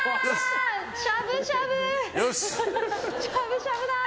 しゃぶしゃぶだ。